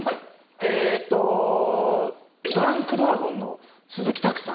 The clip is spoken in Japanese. ええっとドランクドラゴンの鈴木拓さん。